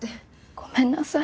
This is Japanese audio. ごめんなさい。